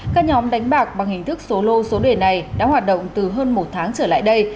các nhóm đánh bạc bằng hình thức số lô số đề này đã hoạt động từ hơn một tháng trở lại đây